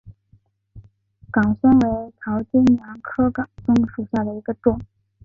岗松为桃金娘科岗松属下的一个种。